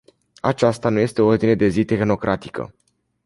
Aceasta nu este o ordine de zi tehnocratică.